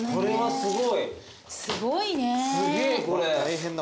すごいね。